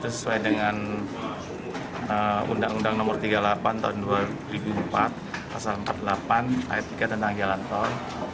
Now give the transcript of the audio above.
sesuai dengan undang undang nomor tiga puluh delapan tahun dua ribu empat pasal empat puluh delapan ayat tiga tentang jalan tol